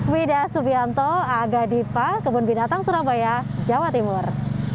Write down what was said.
wida subianto aga dipa kebun binatang surabaya jawa timur